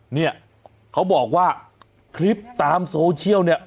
เนี่ยเขาบอกว่าคลิปตามโซเชียลเนี่ย